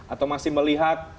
atau masih melihat